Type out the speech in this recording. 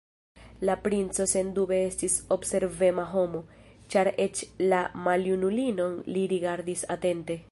La princo sendube estis observema homo, ĉar eĉ la maljunulinon li rigardis atente.